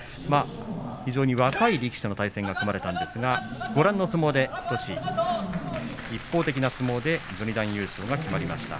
非常に若い力士の対戦が組まれたんですがご覧の相撲で日翔志、一方的な相撲で序二段優勝が決まりました。